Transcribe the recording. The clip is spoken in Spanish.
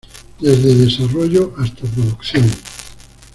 Desde desarrollo hasta producción.